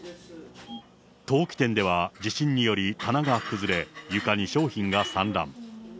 陶器店では、地震により棚が崩れ、床に商品が散乱。